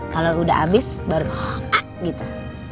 kalau udah abis baru gitu